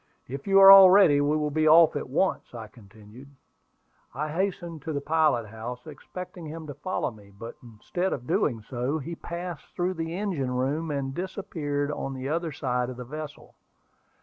"If you are all ready, we will be off at once," I continued. I hastened to the pilot house, expecting him to follow me; but instead of doing so, he passed through the engine room, and disappeared on the other side of the vessel.